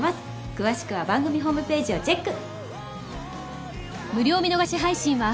詳しくは番組ホームページをチェック！